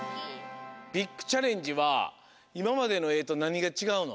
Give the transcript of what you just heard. ビッグチャレンジはいままでのえとなにがちがうの？